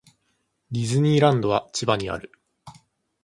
ディズニーランドは千葉にある